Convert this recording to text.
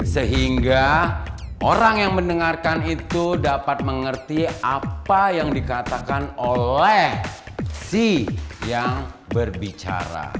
sehingga orang yang mendengarkan itu dapat mengerti apa yang dikatakan oleh si yang berbicara